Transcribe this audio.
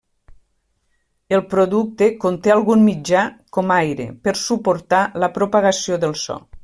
El producte conté algun mitjà, com aire, per suportar la propagació del so.